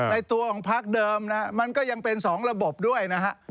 ในตัวของพักเดิมนะมันก็ยังเป็น๒ระบบด้วยนะฮะ